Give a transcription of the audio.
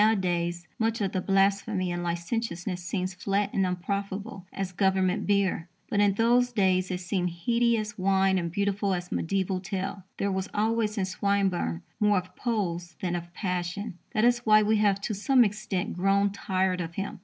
Nowadays, much of the blasphemy and licentiousness seems flat and unprofitable as Government beer. But in those days it seemed heady as wine and beautiful as a mediaeval tale. There was always in Swinburne more of pose than of passion. That is why we have to some extent grown tired of him.